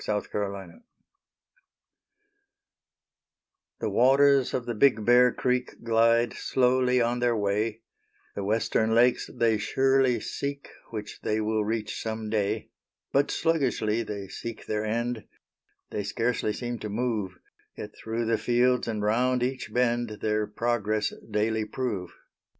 THE BIG BEAR CREEK The waters of the Big Bear creek Glide slowly on their way; The western lakes they surely seek, Which they will reach some day; But sluggishly they seek their end They scarcely seem to move; Yet through the fields and round each bend Their progress daily prove.